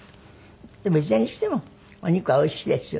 でもいずれにしてもお肉はおいしいですよね。